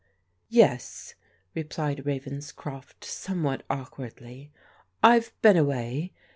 "Yes," replied Ravenscroft, somewhat awkwardly. " I've been away.